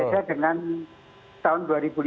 beda dengan tahun dua ribu lima belas